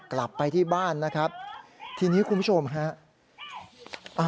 กลับไปที่บ้านนะครับทีนี้คุณผู้ชมฮะ